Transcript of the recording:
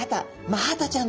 マハタちゃん。